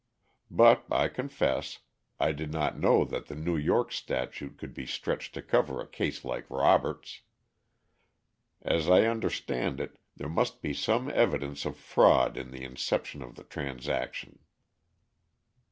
But, I confess, I did not know that the New York statute could be stretched to cover a case like Robert's. As I understand it, there must be some evidence of fraud in the inception of the transaction."